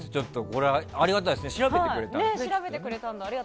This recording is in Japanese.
これはありがたいですね調べてくれたんですね。